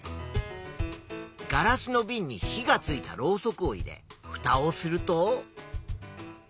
ガラスのビンに火がついたろうそくを入れフタをすると。